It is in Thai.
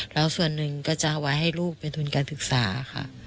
แล้วส่วนหนึ่งก็จะเอาไว้ให้ลูกเป็นทุนการศึกษาค่ะ